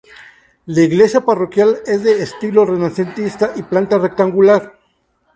La Iglesia Parroquial es de estilo renacentista y planta rectangular.